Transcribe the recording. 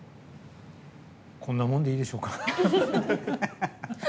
こんなもんでいいでしょうか。